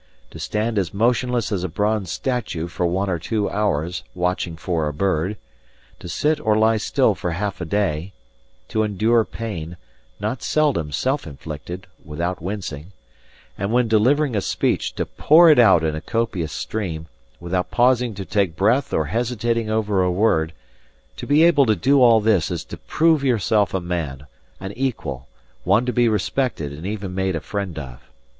To stand as motionless as a bronze statue for one or two hours watching for a bird; to sit or lie still for half a day; to endure pain, not seldom self inflicted, without wincing; and when delivering a speech to pour it out in a copious stream, without pausing to take breath or hesitating over a word to be able to do all this is to prove yourself a man, an equal, one to be respected and even made a friend of.